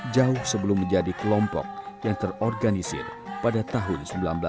jauh sebelum menjadi kelompok yang terorganisir pada tahun seribu sembilan ratus sembilan puluh